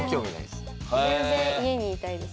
全然家にいたいです。